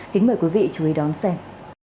kính mời quý vị chú ý đón xem